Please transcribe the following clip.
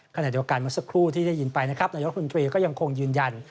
ขณะเดียวกันเมื่อสักครู่ที่ได้ยินไปนะครับนายกคุณตรีก็ยังคงยืนยัน